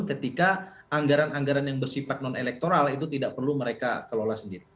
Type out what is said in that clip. ketika anggaran anggaran yang bersifat non elektoral itu tidak perlu mereka kelola sendiri